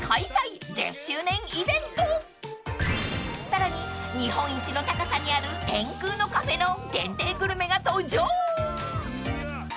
［さらに日本一の高さにある天空のカフェの限定グルメが登場］